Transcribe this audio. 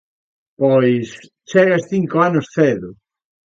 Pois... chegas cinco anos cedo.